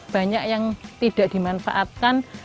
banyak yang tidak dimanfaatkan